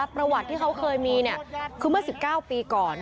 ประวัติที่เขาเคยมีคือเมื่อ๑๙ปีก่อน